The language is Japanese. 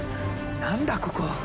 何だここ！？